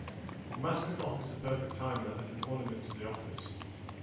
The master clock is a perfect timer and an ornament to the office.